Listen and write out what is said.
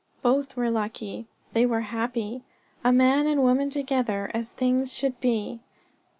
Both were lucky. They were happy a man and woman together, as things should be.